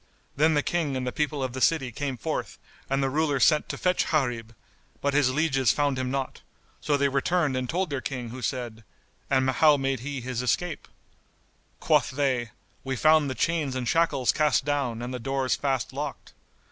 Then the King and the people of the city came forth and the Ruler sent to fetch Gharib; but his lieges found him not; so they returned and told their King who said, "And how made he his escape?" Quoth they, "We found the chains and shackles cast down and the doors fast locked."